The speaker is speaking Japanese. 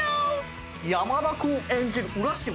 山田君演じる浦島